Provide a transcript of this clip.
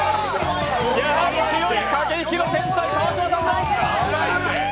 やはり強い、駆け引きの天才、川島さん。